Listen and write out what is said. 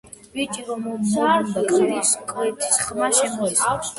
ბიჭი რომ მობრუნდა, კლდის კვეთის ხმა შემოესმა.